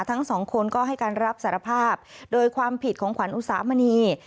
ทั้งสองคนก็ให้การรับสารภาพโดยความผิดของขวัญอุสามณี